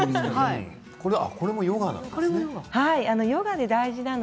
これもヨガなんですね。